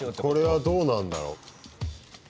これはどうなるんだろう？